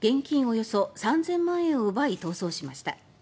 およそ３０００万円を奪い逃走しました。